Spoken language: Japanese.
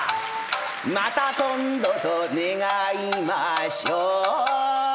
「また今度と願いましょう」